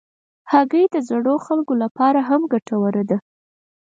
هګۍ د زړو خلکو لپاره هم ګټوره ده.